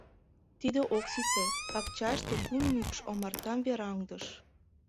Тиде ок сите, пакчашке кум мӱкш омартам вераҥдыш.